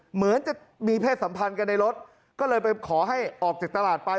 เหมือนจะมีเพศสัมพันธ์กันในรถก็เลยไปขอให้ออกจากตลาดไป